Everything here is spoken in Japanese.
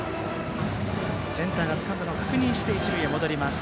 センターがつかんだのを確認して一塁へ戻りました。